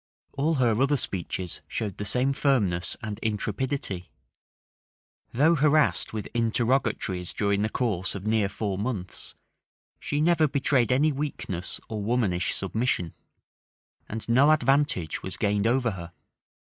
All her other speeches showed the same firmness and intrepidity: though harassed with interrogatories during the course of near four months, she never betrayed any weakness or womanish submission; and no advantage was gained over her.